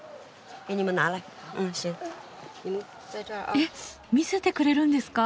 えっ見せてくれるんですか？